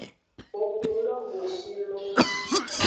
Koklo lo nu eshi lo.